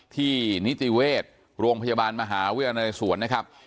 ที่นิติเวชโรงพยาบาลมหาวิทยาลัยสวนนะครับ